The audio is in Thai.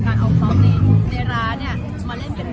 การเอาคอมในในร้านเนี่ยมาเล่น๑๖